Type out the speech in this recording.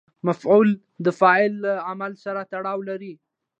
مفعول د فاعل له عمل سره تړاو لري.